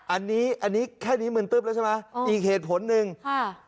อันนี้อันนี้แค่นี้มึนตึ๊บแล้วใช่ไหมอีกเหตุผลหนึ่งค่ะ